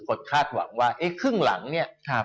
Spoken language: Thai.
คาดหวังว่าเอ๊ะครึ่งหลังเนี่ย